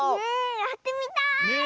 やってみたい！